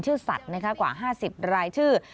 ชื่อสัตว์นะครับกว่า๕๐รายชื่อ